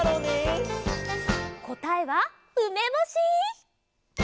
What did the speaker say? こたえはうめぼし！